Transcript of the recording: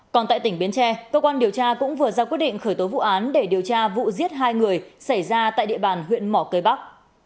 còn tại tỉnh bến tre cơ quan điều tra cũng vừa ra quyết định khởi tố vụ án để điều tra vụ giết hai người xảy ra tại địa bàn huyện mỏ cây bắc